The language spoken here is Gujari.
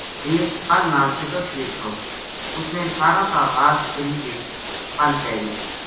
دیس پل نال چِٹو شوید تھو اس نے ساراں تا واز کری جے پل پے گئی